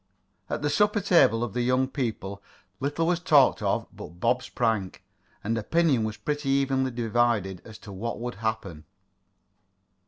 At the supper table of the young people, little was talked of but Bob's prank, and opinion was pretty evenly divided as to what would happen.